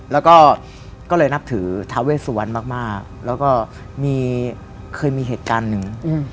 แล้วก็ก็เลยนับถือทาเวสวรรณมากแล้วก็เคยมีเหตุการณ์หนึ่ง